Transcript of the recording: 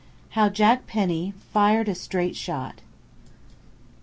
HOW JACK PENNY FIRED A STRAIGHT SHOT.